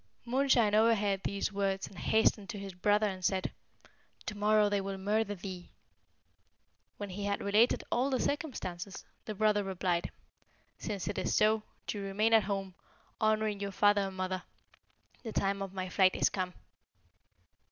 "Moonshine overheard these words and hastened to his brother, and said, 'To morrow they will murder thee.' When he had related all the circumstances, the brother replied, 'Since it is so, do you remain at home, honouring your father and mother. The time of my flight is come.'